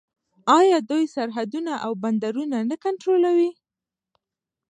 آیا دوی سرحدونه او بندرونه نه کنټرولوي؟